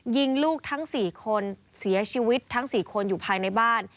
ยิงลูกทั้ง๔คนเสียชีวิตทั้ง๔คนอยู่ภายในบ้าน